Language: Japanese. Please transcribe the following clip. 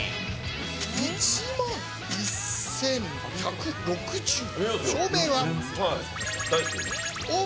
１万１１６０円。